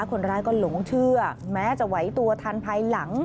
คนร้ายก็หลงเชื่อแม้จะไหวตัวทันภายหลัง